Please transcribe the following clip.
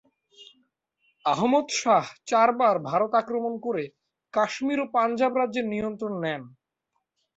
আহমদ শাহ চারবার ভারত আক্রমণ করে কাশ্মীর ও পাঞ্জাব রাজ্যের নিয়ন্ত্রণ নেন।